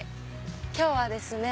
今日はですね